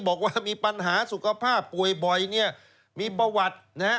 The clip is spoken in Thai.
บอกว่ามีปัญหาสุขภาพป่วยบ่อยมีประวัติ